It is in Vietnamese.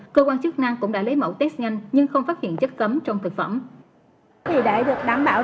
cơ quan chức năng cũng đã lấy mẫu test nhanh nhưng không phát hiện chất cấm trong thực phẩm